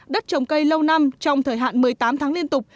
đất trồng cây lâu năm trong thời hạn một mươi tám tháng liên tục